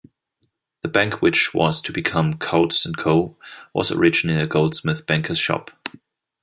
The bank which was to become Coutts and Co, was originally a goldsmith-banker's shop.